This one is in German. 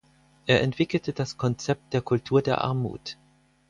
Er entwickelte das Konzept der Kultur der Armut.